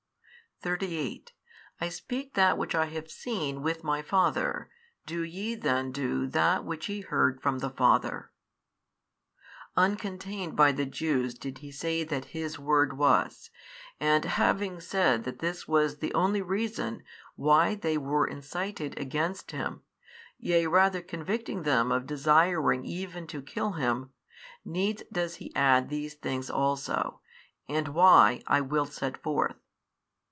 38 I speak that which I have seen with My Father, do YE then do that which ye heard 27 from the 28 Father. Uncontained by the Jews did He say that His word was, and having said that this was the only reason why they were incited against Him, yea rather convicting them of desiring even to kill Him, needs does He add these things also, and why, I will set forth.